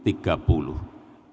artinya peluangnya besar sekali